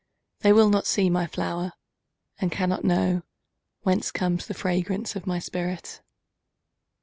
They will not see my flower, And cannot knowWhence comes the fragrance of my spirit!